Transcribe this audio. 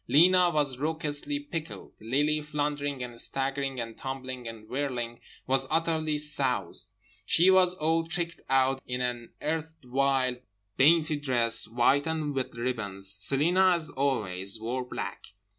Lena was raucously pickled. Lily, floundering and staggering and tumbling and whirling was utterly soused. She was all tricked out in an erstwhile dainty dress, white, and with ribbons. Celina (as always) wore black.